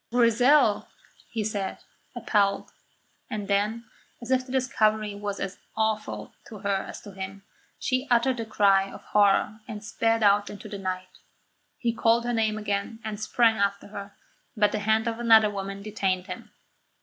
"Grizel!" he said, appalled; and then, as if the discovery was as awful to her as to him, she uttered a cry of horror and sped out into the night. He called her name again, and sprang after her; but the hand of another woman detained him.